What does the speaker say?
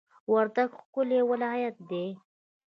وردګ ښکلی ولایت دی